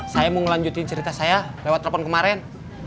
saya mau ngelanjutin cerita saya lewat telepon kemarin